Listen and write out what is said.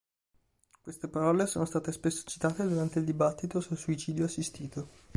Queste parole sono state spesso citate durante il dibattito sul suicidio assistito.